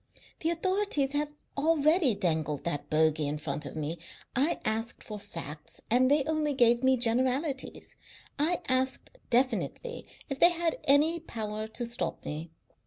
The authorities have already dangled that bogey in front of me. I asked for facts and they only gave me generalities. I asked definitely if they had any power to stop me.